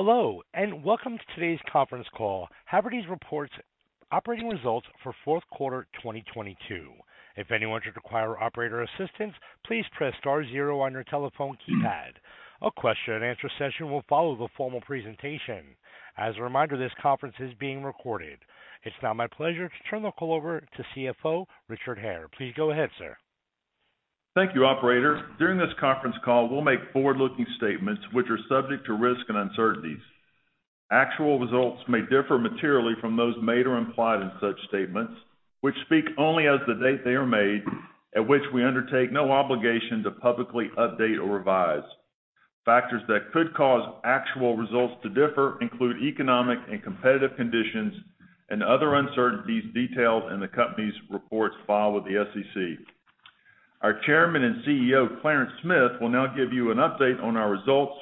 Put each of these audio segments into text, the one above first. Hello, welcome to today's conference call, Havertys Reports Operating Results for Q4 2022. If anyone should require operator assistance, please press star zero on your telephone keypad. A Q&A session will follow the formal presentation. As a reminder, this conference is being recorded. It's now my pleasure to turn the call over to CFO, Richard Hare. Please go ahead, sir. Thank you, operator. During this conference call, we'll make forward-looking statements which are subject to risk and uncertainties. Actual results may differ materially from those made or implied in such statements, which speak only as the date they are made at which we undertake no obligation to publicly update or revise. Factors that could cause actual results to differ include economic and competitive conditions and other uncertainties detailed in the company's reports filed with the SEC. Our Chairman and CEO, Clarence Smith, will now give you an update on our results,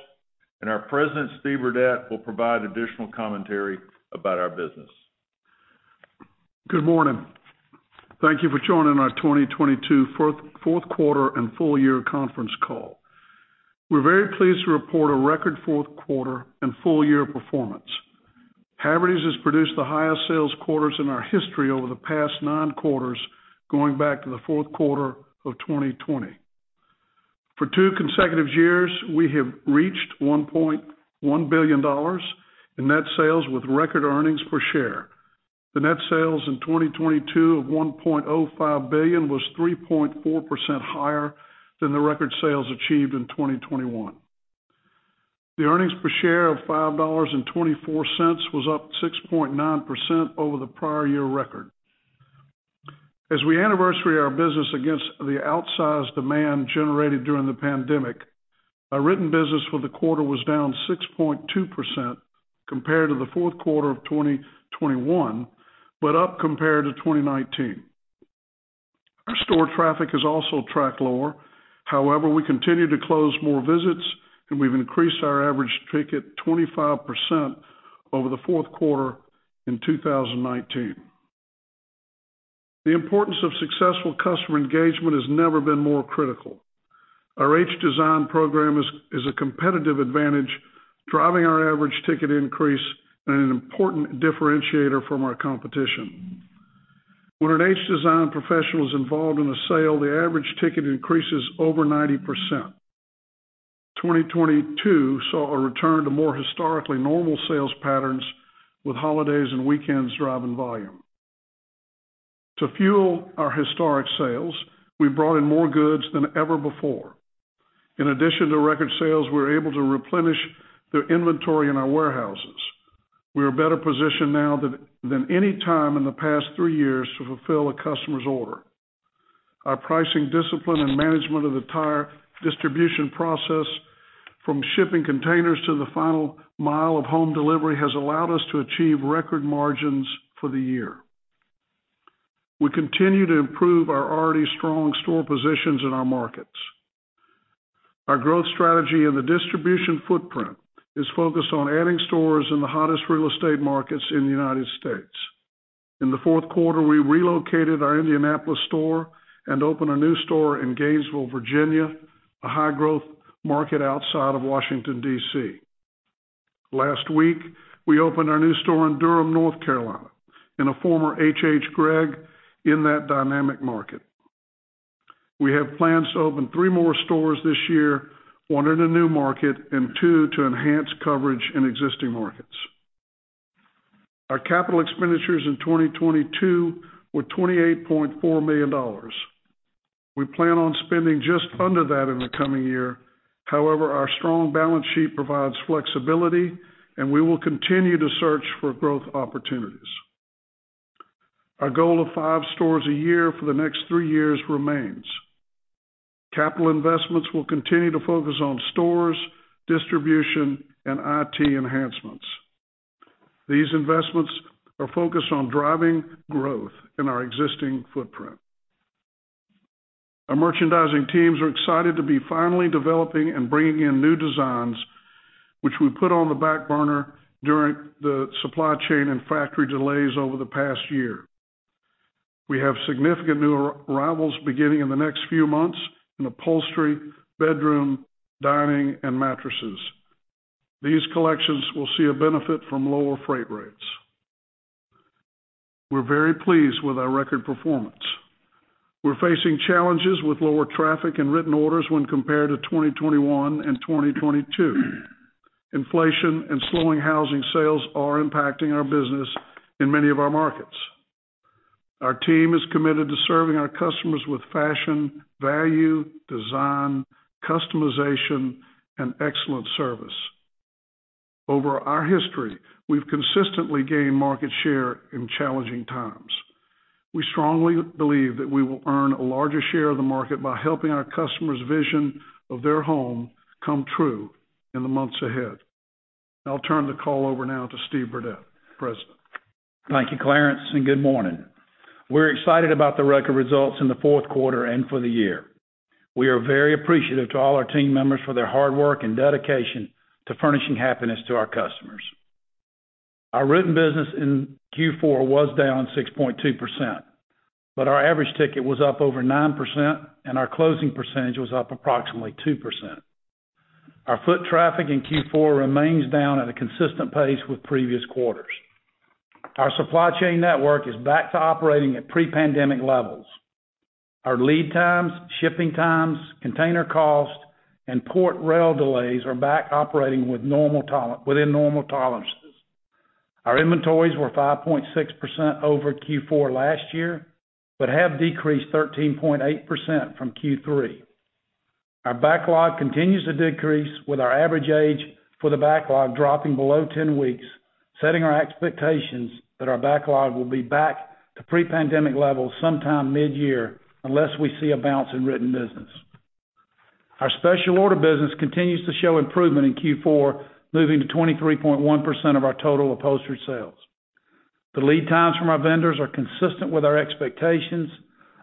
and our President, Steve Burdette, will provide additional commentary about our business. Good morning. Thank you for joining our 2022 Q4 and full year conference call. We're very pleased to report a record Q4 and full year performance. Havertys has produced the highest sales quarters in our history over the past nine quarters, going back to the Q4 of 2020. For two consecutive years, we have reached $1.1 billion in net sales with record earnings per share. The net sales in 2022 of $1.05 billion was 3.4% higher than the record sales achieved in 2021. The earnings per share of $5.24 was up 6.9% over the prior year record. As we anniversary our business against the outsized demand generated during the pandemic, our written business for the quarter was down 6.2% compared to the Q4 of 2021, up compared to 2019. Our store traffic has also tracked lower. We continue to close more visits, and we've increased our average ticket 25% over the Q4 in 2019. The importance of successful customer engagement has never been more critical. Our H Design program is a competitive advantage, driving our average ticket increase and an important differentiator from our competition. When an H Design professional is involved in a sale, the average ticket increases over 90%. 2022 saw a return to more historically normal sales patterns with holidays and weekends driving volume. To fuel our historic sales, we brought in more goods than ever before. In addition to record sales, we were able to replenish the inventory in our warehouses. We are better positioned now than any time in the past 3 years to fulfill a customer's order. Our pricing discipline and management of the entire distribution process from shipping containers to the final mile of home delivery has allowed us to achieve record margins for the year. We continue to improve our already strong store positions in our markets. Our growth strategy in the distribution footprint is focused on adding stores in the hottest real estate markets in the United States. In the Q4, we relocated our Indianapolis store and opened a new store in Gainesville, Virginia, a high-growth market outside of Washington, D.C. Last week, we opened our new store in Durham, North Carolina, in a former H.H. Gregg in that dynamic market. We have plans to open three more stores this year, one in a new market and two to enhance coverage in existing markets. Our capital expenditures in 2022 were $28.4 million. We plan on spending just under that in the coming year. Our strong balance sheet provides flexibility, and we will continue to search for growth opportunities. Our goal of five stores a year for the next three years remains. Capital investments will continue to focus on stores, distribution, and IT enhancements. These investments are focused on driving growth in our existing footprint. Our merchandising teams are excited to be finally developing and bringing in new designs, which we put on the back burner during the supply chain and factory delays over the past year. We have significant new arrivals beginning in the next few months in upholstery, bedroom, dining, and mattresses. These collections will see a benefit from lower freight rates. We're very pleased with our record performance. We're facing challenges with lower traffic and written orders when compared to 2021 and 2022. Inflation and slowing housing sales are impacting our business in many of our markets. Our team is committed to serving our customers with fashion, value, design, customization, and excellent service. Over our history, we've consistently gained market share in challenging times. We strongly believe that we will earn a larger share of the market by helping our customers' vision of their home come true in the months ahead. I'll turn the call over now to Steve Burdette, President. Thank you, Clarence, and good morning. We're excited about the record results in the Q4 and for the year. We are very appreciative to all our team members for their hard work and dedication to furnishing happiness to our customers. Our written business in Q4 was down 6.2%, Our average ticket was up over 9% and our closing percentage was up approximately 2%. Our foot traffic in Q4 remains down at a consistent pace with previous quarters. Our supply chain network is back to operating at pre-pandemic levels. Our lead times, shipping times, container costs and port rail delays are back operating within normal tolerances. Our inventories were 5.6% over Q4 last year, have decreased 13.8% from Q3. Our backlog continues to decrease with our average age for the backlog dropping below 10 weeks, setting our expectations that our backlog will be back to pre-pandemic levels sometime mid-year unless we see a bounce in written business. Our special order business continues to show improvement in Q4, moving to 23.1% of our total upholstery sales. The lead times from our vendors are consistent with our expectations,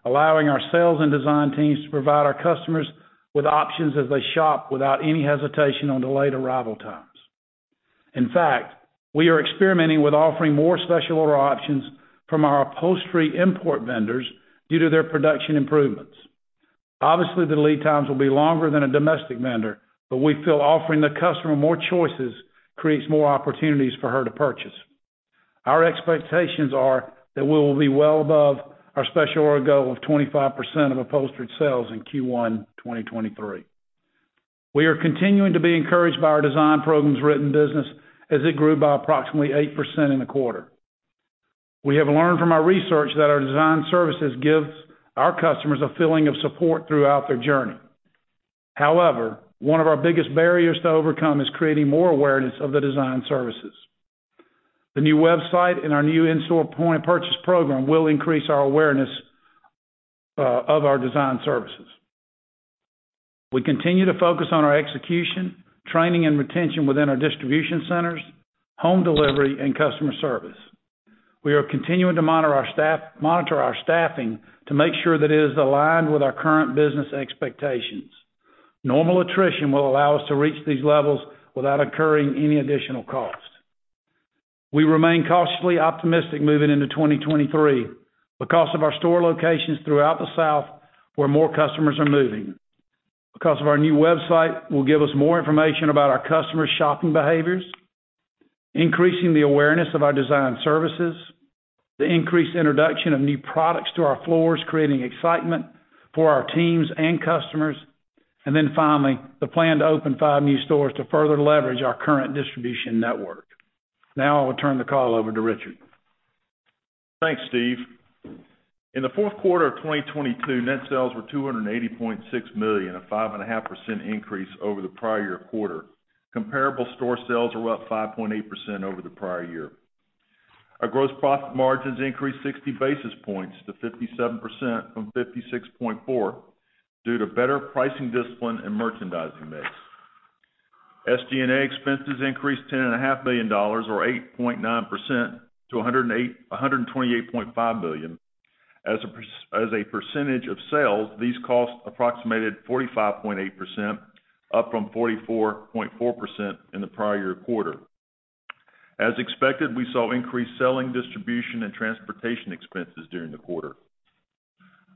allowing our sales and design teams to provide our customers with options as they shop without any hesitation on delayed arrival times. In fact, we are experimenting with offering more special order options from our upholstery import vendors due to their production improvements. Obviously, the lead times will be longer than a domestic vendor, but we feel offering the customer more choices creates more opportunities for her to purchase. Our expectations are that we will be well above our special order goal of 25% of upholstered sales in Q1 2023. We are continuing to be encouraged by our design program's written business as it grew by approximately 8% in the quarter. We have learned from our research that our design services gives our customers a feeling of support throughout their journey. However, one of our biggest barriers to overcome is creating more awareness of the design services. The new website and our new in-store point of purchase program will increase our awareness of our design services. We continue to focus on our execution, training and retention within our distribution centers, home delivery and customer service. We are continuing to monitor our staffing to make sure that it is aligned with our current business expectations. Normal attrition will allow us to reach these levels without incurring any additional cost. We remain cautiously optimistic moving into 2023 because of our store locations throughout the South where more customers are moving, because of our new website will give us more information about our customers' shopping behaviors, increasing the awareness of our design services, the increased introduction of new products to our floors, creating excitement for our teams and customers. Finally, the plan to open five new stores to further leverage our current distribution network. I will turn the call over to Richard. Thanks, Steve. In the Q4 of 2022, net sales were $280.6 million, a 5.5% increase over the prior year quarter. Comparable store sales were up 5.8% over the prior year. Our gross profit margins increased 60 basis points to 57% from 56.4% due to better pricing discipline and merchandising mix. SG&A expenses increased $10.5 billion or 8.9% to $128.5 billion. As a percentage of sales, these costs approximated 45.8%, up from 44.4% in the prior year quarter. As expected, we saw increased selling, distribution and transportation expenses during the quarter.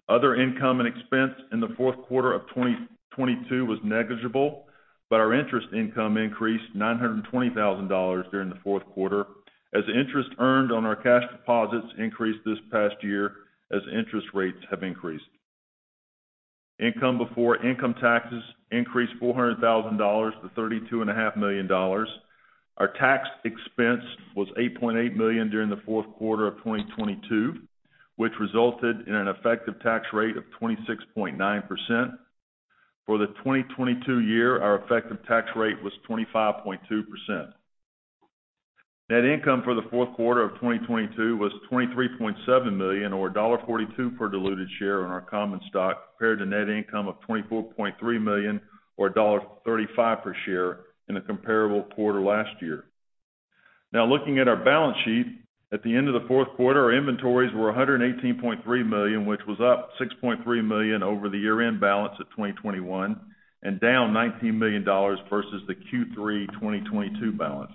Other income and expense in the Q4 of 2022 was negligible, our interest income increased $920,000 during the Q4 as interest earned on our cash deposits increased this past year as interest rates have increased. Income before income taxes increased $400,000 to $32.5 million. Our tax expense was $8.8 million during the Q4 of 2022, which resulted in an effective tax rate of 26.9%. For the 2022 year, our effective tax rate was 25.2%. Net income for the Q4 of 2022 was $23.7 million or $1.42 per diluted share on our common stock, compared to net income of $24.3 million or $1.35 per share in the comparable quarter last year. Looking at our balance sheet. At the end of the Q4, our inventories were $118.3 million, which was up $6.3 million over the year-end balance of 2021 and down $19 million versus the Q3 2022 balance.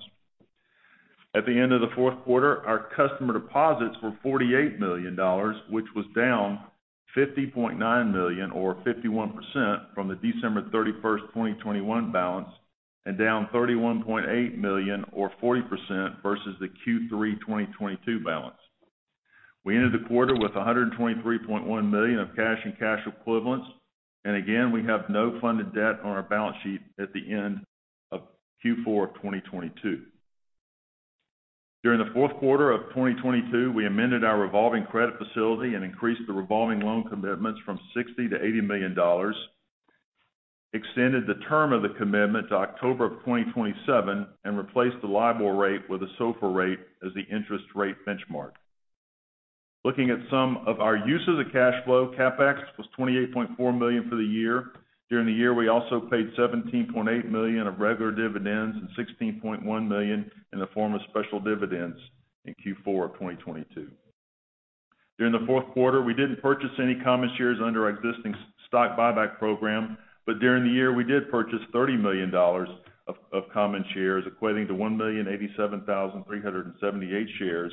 At the end of the Q4, our customer deposits were $48 million, which was down $50.9 million or 51% from the December 31st, 2021 balance, and down $31.8 million or 40% versus the Q3 2022 balance. We ended the quarter with $123.1 million of cash and cash equivalents. Again, we have no funded debt on our balance sheet at the end of Q4 of 2022. During the Q4 of 2022, we amended our revolving credit facility and increased the revolving loan commitments from $60 million to $80 million, extended the term of the commitment to October of 2027 and replaced the LIBOR rate with a SOFR rate as the interest rate benchmark. Looking at some of our use of the cash flow, CapEx was $28.4 million for the year. During the year, we also paid $17.8 million of regular dividends and $16.1 million in the form of special dividends in Q4 of 2022. During the Q4, we didn't purchase any common shares under our existing stock buyback program. During the year, we did purchase $30 million of common shares, equating to 1,087,378 shares.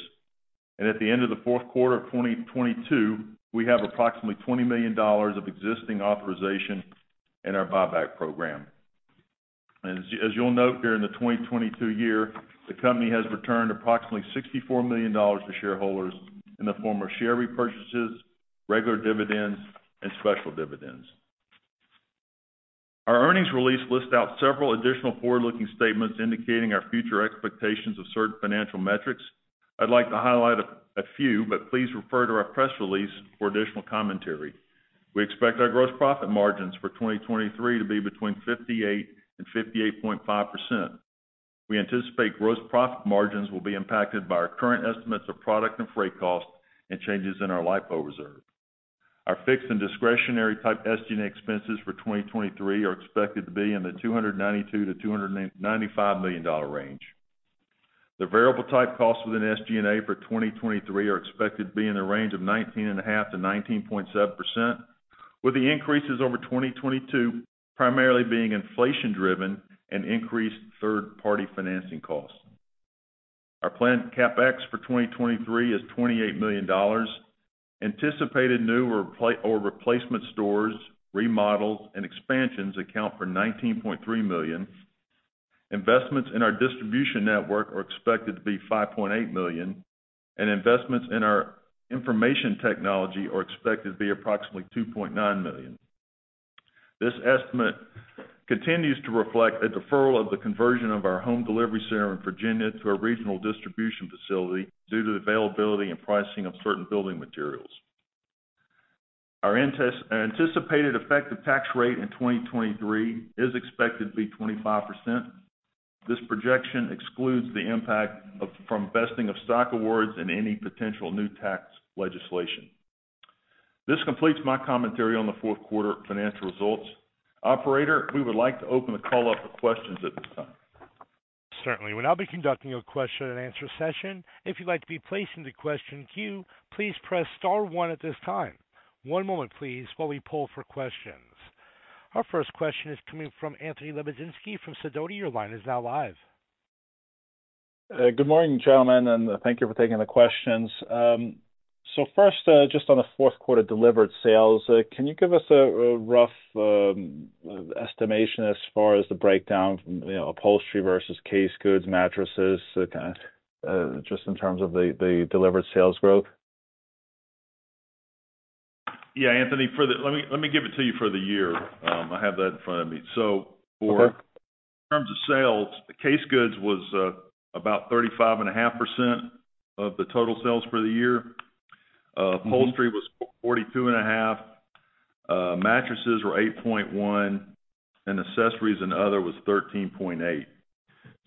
At the end of the Q4 of 2022, we have approximately $20 million of existing authorization in our buyback program. As you'll note, during the 2022 year, the company has returned approximately $64 million to shareholders in the form of share repurchases, regular dividends, and special dividends. Our earnings release lists out several additional forward-looking statements indicating our future expectations of certain financial metrics. I'd like to highlight a few, but please refer to our press release for additional commentary. We expect our gross profit margins for 2023 to be between 58% and 58.5%. We anticipate gross profit margins will be impacted by our current estimates of product and freight costs and changes in our LIFO reserve. Our fixed and discretionary type SG&A expenses for 2023 are expected to be in the $292 million to $295 million range. The variable type costs within SG&A for 2023 are expected to be in the range of 19.5% to 19.7%, with the increases over 2022 primarily being inflation-driven and increased third-party financing costs. Our planned CapEx for 2023 is $28 million. Anticipated new or replacement stores, remodels, and expansions account for $19.3 million. Investments in our distribution network are expected to be $5.8 million, and investments in our information technology are expected to be approximately $2.9 million. This estimate continues to reflect a deferral of the conversion of our home delivery center in Virginia to a regional distribution facility due to the availability and pricing of certain building materials. Our anticipated effective tax rate in 2023 is expected to be 25%. This projection excludes the impact from vesting of stock awards and any potential new tax legislation. This completes my commentary on the Q4 financial results. Operator, we would like to open the call up for questions at this time. Certainly. We'll now be conducting a Q&A session. If you'd like to be placed into question queue, please press star one at this time. One moment, please, while we poll for questions. Our first question is coming from Anthony Lebiedzinski from Sidoti. Your line is now live. Good morning, gentlemen, and thank you for taking the questions. First, just on the Q4 delivered sales, can you give us a rough estimation as far as the breakdown from, you know, upholstery versus case goods, mattresses, kind of, just in terms of the delivered sales growth? Yeah, Anthony, Let me give it to you for the year. I have that in front of me. Okay. For terms of sales, the case goods was about 35.5% of the total sales for the year. Mm-hmm. Upholstery was 42.5%. Mattresses were 8.1%, and accessories and other was 13.8%.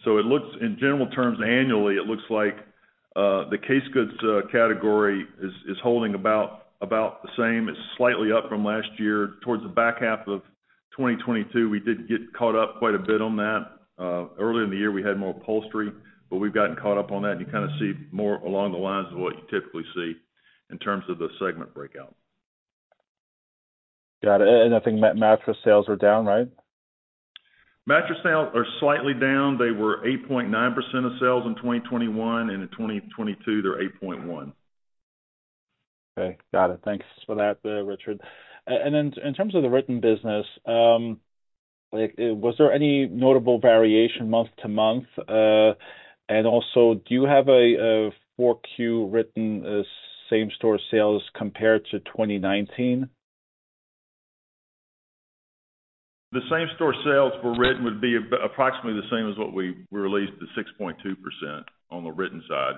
It looks, in general terms annually, it looks like the case goods category is holding about the same as slightly up from last year. Towards the back half of 2022, we did get caught up quite a bit on that. Earlier in the year, we had more upholstery, but we've gotten caught up on that, and you kinda see more along the lines of what you typically see in terms of the segment breakout. Got it. I think mattress sales are down, right? Mattress sales are slightly down. They were 8.9% of sales in 2021, and in 2022, they're 8.1%. Okay. Got it. Thanks for that, Richard. In terms of the written business, like, was there any notable variation month to month? Also, do you have a Q4 written, same-store sales compared to 2019? The same-store sales for written would be approximately the same as what we released, the 6.2% on the written side.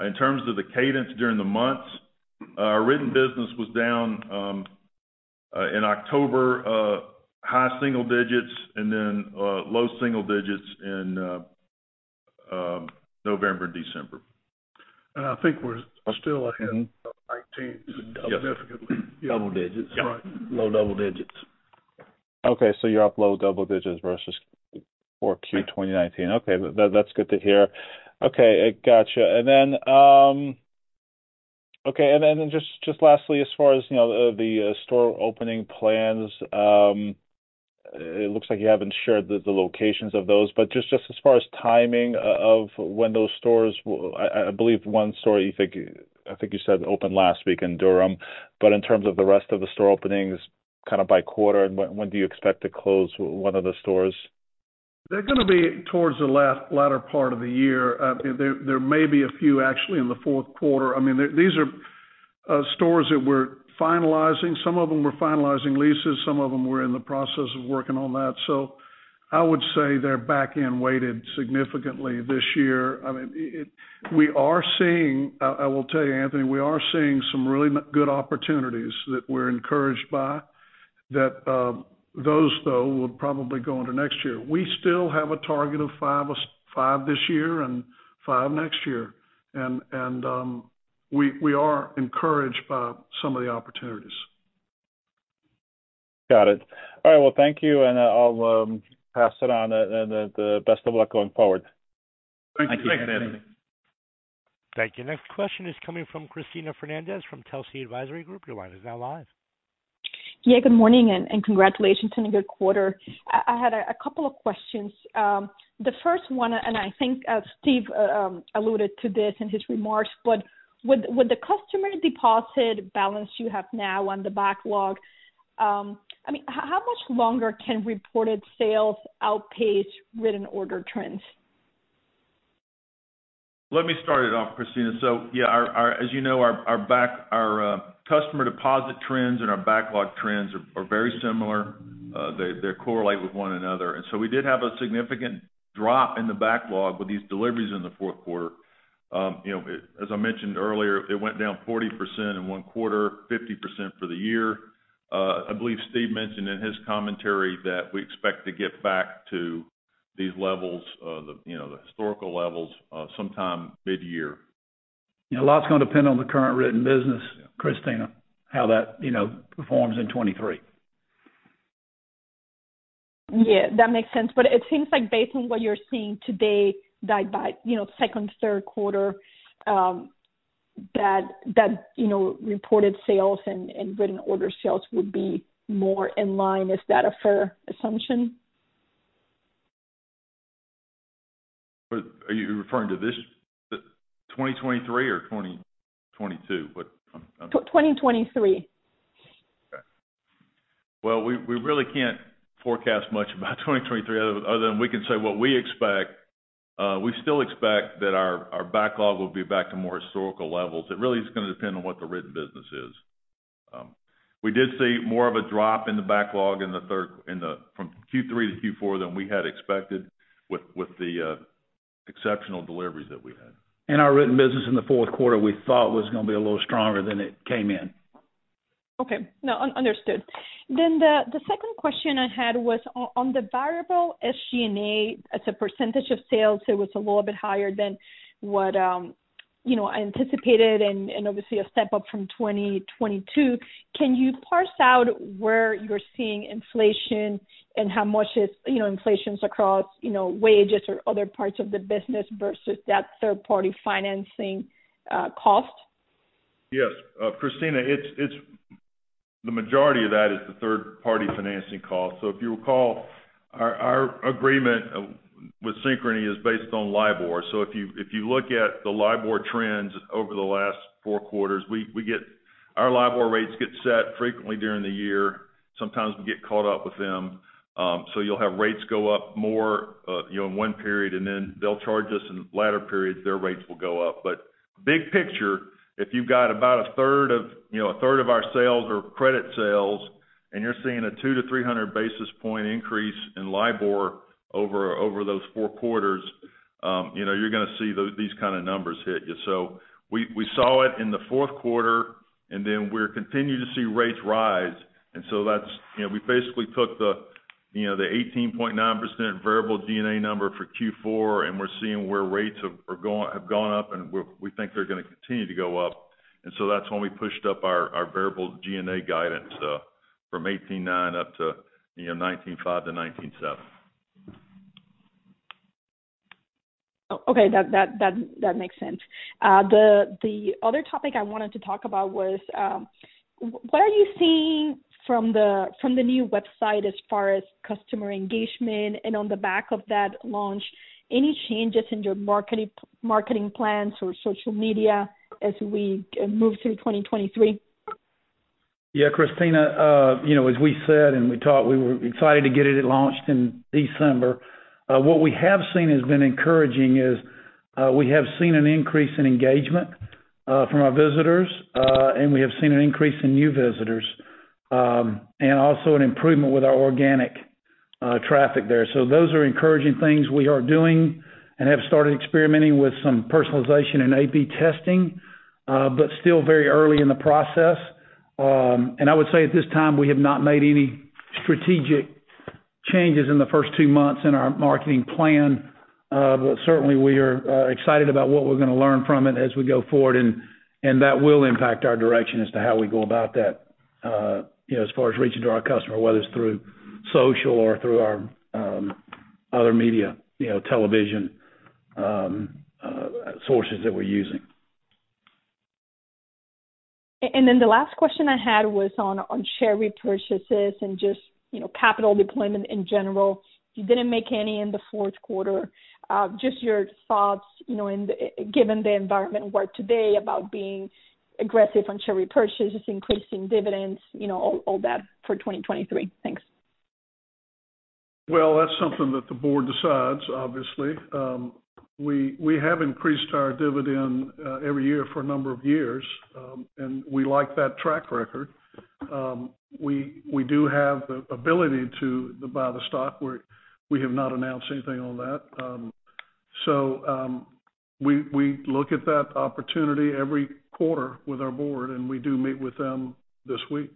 In terms of the cadence during the months, our written business was down in October, high single digits and then low single digits in November and December. I think we're still ahead of 19 significantly. Yes. Yeah. Double digits. Right. Low double digits. You're up low double digits versus Q4 2019. That's good to hear. Gotcha. Then, just lastly, as far as, you know, the store opening plans, it looks like you haven't shared the locations of those. Just as far as timing of when those stores will, I believe one store, I think you said opened last week in Durham. In terms of the rest of the store openings kind of by quarter, and when do you expect to close one of the stores? They're gonna be towards the latter part of the year. There may be a few actually in the Q4. I mean, these are stores that we're finalizing. Some of them we're finalizing leases, some of them we're in the process of working on that. I would say they're back-end weighted significantly this year. I mean, I will tell you, Anthony, we are seeing some really good opportunities that we're encouraged by. That, though, will probably go into next year. We still have a target of five or five this year and five next year. We are encouraged by some of the opportunities. Got it. All right, well, thank you. I'll pass it on, and the best of luck going forward. Thank you. Thank you. Next question is coming from Cristina Fernandez from Telsey Advisory Group. Your line is now live. Good morning, and congratulations on a good quarter. I had a couple of questions. The first one, I think Steve alluded to this in his remarks. With the customer deposit balance you have now on the backlog, I mean, how much longer can reported sales outpace written order trends? Let me start it off, Cristina. Yeah, our as you know, our back, our customer deposit trends and our backlog trends are very similar. They correlate with one another. We did have a significant drop in the backlog with these deliveries in the Q4. you know, as I mentioned earlier, it went down 40% in one quarter, 50% for the year. I believe Steve mentioned in his commentary that we expect to get back to these levels, the, you know, the historical levels, sometime mid-year. You know, a lot's gonna depend on the current written business, Cristina, how that, you know, performs in 2023. Yeah, that makes sense. It seems like based on what you're seeing today by, you know, second, Q3, that, you know, reported sales and written order sales would be more in line. Is that a fair assumption? Are you referring to this, the 2023 or 2022? 2023. Okay. Well, we really can't forecast much about 2023 other than we can say what we expect. We still expect that our backlog will be back to more historical levels. It really is gonna depend on what the written business is. We did see more of a drop in the backlog in the third from Q3 to Q4 than we had expected with the exceptional deliveries that we had. Our written business in the Q4 we thought was gonna be a little stronger than it came in. Understood. The second question I had was on the variable SG&A as a percentage of sales, it was a little bit higher than what, you know, I anticipated and obviously a step up from 2022. Can you parse out where you're seeing inflation and how much is, you know, inflation's across, you know, wages or other parts of the business versus that third party financing cost? Yes. Cristina, it's the majority of that is the third-party financing cost. If you recall, our agreement with Synchrony is based on LIBOR. If you look at the LIBOR trends over the last 4 quarters, we get our LIBOR rates get set frequently during the year. Sometimes we get caught up with them. You'll have rates go up more, you know, in one period, and then they'll charge us in latter periods, their rates will go up. Big picture, if you've got about a third of, you know, a third of our sales or credit sales, and you're seeing a 200 to 300 basis point increase in LIBOR over those four quarters, you know, you're gonna see these kind of numbers hit you. We saw it in the Q4, and then we're continuing to see rates rise. That's, you know, we basically took the, you know, the 18.9% variable G&A number for Q4, and we're seeing where rates have gone up, and we think they're gonna continue to go up. That's when we pushed up our variable G&A guidance from 18.9% up to, you know, 19.5% to 19.7%. Okay. That makes sense. What are you seeing from the new website as far as customer engagement? On the back of that launch, any changes in your marketing plans or social media as we move through 2023? Yeah. Cristina, you know, as we said, and we thought we were excited to get it launched in December. What we have seen has been encouraging is, we have seen an increase in engagement from our visitors, and we have seen an increase in new visitors, and also an improvement with our organic traffic there. Those are encouraging things we are doing and have started experimenting with some personalization and A/B testing, but still very early in the process. I would say at this time, we have not made any strategic changes in the first two months in our marketing plan. Certainly we are excited about what we're gonna learn from it as we go forward, and that will impact our direction as to how we go about that, you know, as far as reaching to our customer, whether it's through social or through our other media, you know, television, sources that we're using. The last question I had was on share repurchases and just, you know, capital deployment in general. You didn't make any in the Q4. Just your thoughts, you know, given the environment where today about being aggressive on share repurchases, increasing dividends, you know, all that for 2023. Thanks. Well, that's something that the board decides, obviously. We, we have increased our dividend, every year for a number of years. We like that track record. We, we do have the ability to buy the stock. We have not announced anything on that. We, we look at that opportunity every quarter with our board. We do meet with them this week.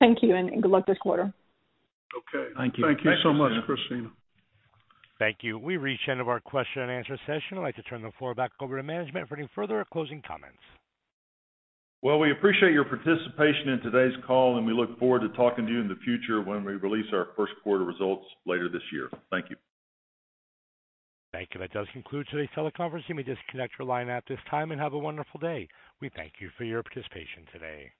Thank you, and good luck this quarter. Okay. Thank you. Thank you so much, Cristina. Thank you. We've reached the end of our Q&A session. I'd like to turn the floor back over to management for any further closing comments. Well, we appreciate your participation in today's call, and we look forward to talking to you in the future when we release our Q1 results later this year. Thank you. Thank you. That does conclude today's teleconference. You may disconnect your line at this time and have a wonderful day. We thank you for your participation today.